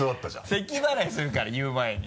せき払いするから言う前に。